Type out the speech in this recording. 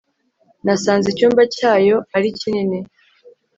nasanze icyumba cyayo ari kinini